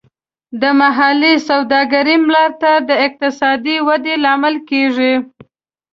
د محلي سوداګرۍ ملاتړ د اقتصادي ودې لامل کیږي.